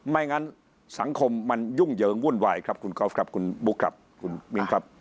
ไม่งั้นสังคมมันยุ่งเหยิงวุ่นวายครับคุณกอล์ฟครับคุณบุ๊คครับคุณมินครับ